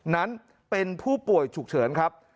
นั้นเป็นผู้ป่วยฉุกเฉินครับ